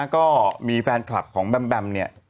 ก็มีแฟนคลับของแบมแบมเนี่ย